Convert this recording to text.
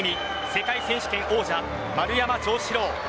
世界選手権王者、丸山城志郎。